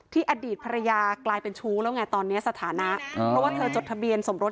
อดีตภรรยากลายเป็นชู้แล้วไงตอนนี้สถานะเพราะว่าเธอจดทะเบียนสมรส